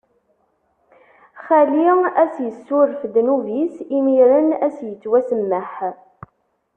Xali ad s-issuref ddnub-is, imiren ad s-ittwasemmeḥ.